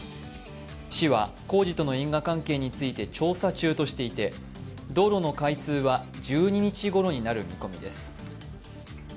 市は工事との因果関係について調査中としていて道路の開通は１２日ごろになる見込みです。